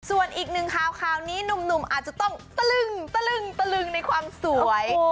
ส่วนอีกหนึ่งคราวนี้หนุ่มอาจจะต้องตะลึงในความสวย